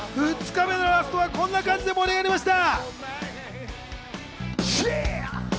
２日目のラストはこんな感じで盛り上がりました。